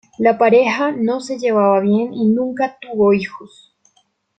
La pareja no se llevaba bien y nunca tuvo hijos.